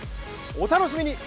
お楽しみに！